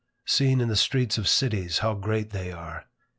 Seen in the streets of cities, how great they are!